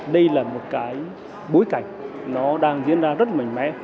đây là một cái bối cảnh nó đang diễn ra rất mạnh mẽ